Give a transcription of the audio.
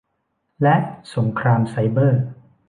และสงครามไซเบอร์